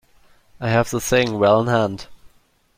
I have the thing well in hand.